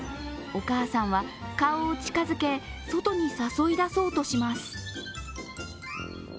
お母さんは顔を近づけ、外に誘い出そうとします。